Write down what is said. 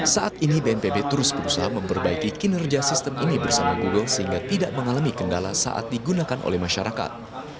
saat ini bnpb terus berusaha memperbaiki kinerja sistem ini bersama google sehingga tidak mengalami kendala saat digunakan oleh masyarakat